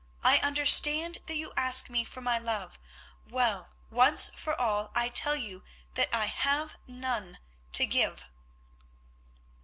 I understand that you ask me for my love. Well, once for all I tell you that I have none to give."